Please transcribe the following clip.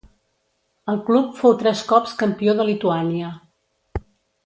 El club fou tres cops campió de Lituània.